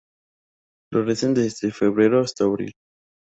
Florecen desde febrero hasta abril.